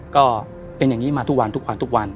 ก็เป็นอย่างนี้มาทุกวันทุกวัน